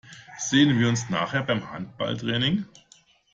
Sehen wir uns nachher beim Handballtraining?